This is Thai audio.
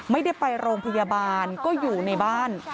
ไม่ได้ไปโรงพยาบาลก็อยู่ในบ้าน